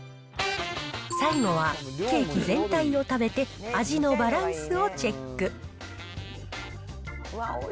最後はケーキ全体を食べて、味のバランスをチェック。